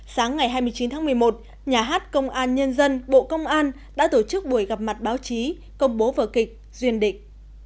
sáng ngày hai mươi chín tháng một mươi một nhà hát công an nhân dân bộ công an đã tổ chức buổi gặp mặt báo chí công bố vở kịch duyên định